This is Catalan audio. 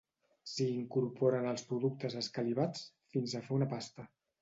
s'hi incorporen els productes escalivats fins a fer una pasta